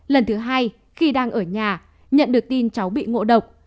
lần thứ hai khi đang ở nhà nhận được tin cháu bị ngộ độc